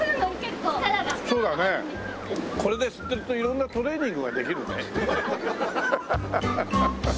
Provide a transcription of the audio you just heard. これで吸ってると色んなトレーニングができるね。